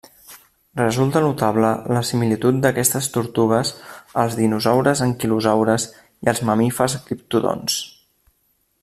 Resulta notable la similitud d'aquestes tortugues als dinosaures anquilosaures i als mamífers gliptodonts.